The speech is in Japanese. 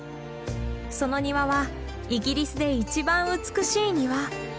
その庭はイギリスで一番美しい庭。